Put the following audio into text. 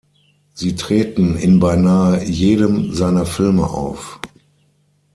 Sie treten in beinahe jedem seiner Filme auf.